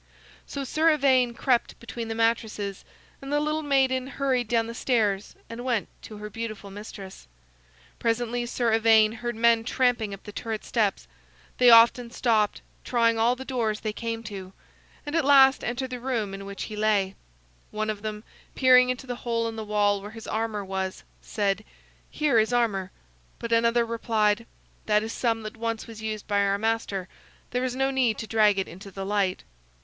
So Sir Ivaine crept between the mattresses, and the little maiden hurried down the stairs and went to her beautiful mistress. Presently Sir Ivaine heard men tramping up the turret steps. They often stopped, trying all the doors they came to, and at last entered the room in which he lay. One of them, peering into the hole in the wall where his armor was, said: "Here is armor." But another replied: "That is some that once was used by our master; there is no need to drag it into the light."